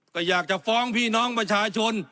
ก็อยากจะฟ้องพี่น้องประชาชน